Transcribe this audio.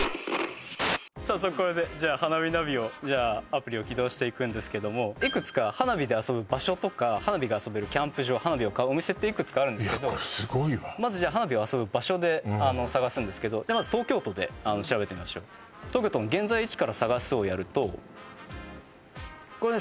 さあこれでじゃあＨａｎａｂｉ−Ｎａｖｉをじゃあアプリを起動していくんですけどもいくつか花火で遊ぶ場所とか花火が遊べるキャンプ場花火を買うお店っていくつかあるんですけどいやこれすごいわまず花火で遊ぶ場所で探すんですけどまず東京都で調べてみましょう東京都の現在位置から探すをやるとこれね